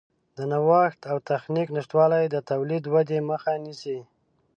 د نوښت او تخنیک نشتوالی د تولیدي ودې مخه نیسي.